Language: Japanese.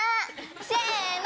せの！